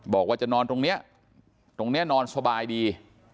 บอกว่าจะนอนตรงนี้ตรงนี้นอนสบายดี